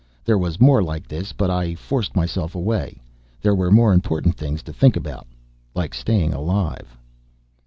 There was more like this, but I forced myself away. There were more important things to think about. Like staying alive.